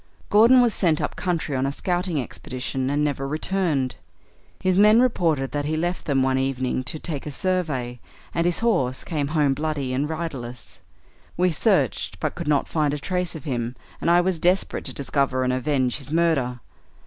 Gordon was sent up the country on a scouting expedition, and never returned. His men reported that he left them one evening to take a survey, and his horse came home bloody and riderless. We searched, but could not find a trace of him, and I was desperate to discover and avenge his murder.